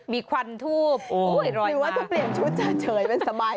มีควันทูบหรือว่าจะเปลี่ยนชุดเฉยเป็นสบาย